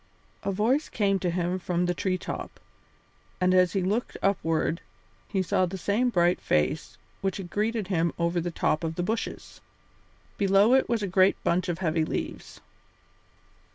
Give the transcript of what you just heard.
A voice came to him from the tree top, and as he looked upward he saw the same bright face which had greeted him over the top of the bushes. Below it was a great bunch of heavy leaves.